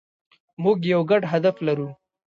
موږ یو ګډ هدف لرو.